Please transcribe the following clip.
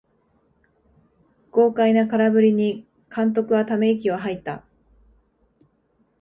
豪快な空振りに監督はため息をはいた